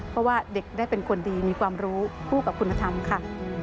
เพราะว่าเด็กได้เป็นคนดีมีความรู้คู่กับคุณธรรมค่ะ